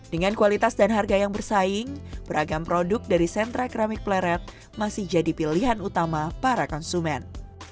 dengan kualitas dan harga yang bersaing beragam produk dari sentra keramik pleret masih jadi pilihan utama para konsumen